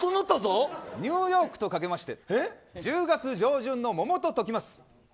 ニューヨークとかけまして１０月上旬の桃とときます。